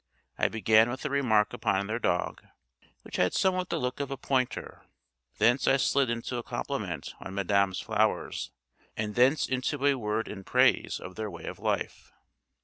I began with a remark upon their dog, which had somewhat the look of a pointer; thence I slid into a compliment on Madame's flowers, and thence into a word in praise of their way of life.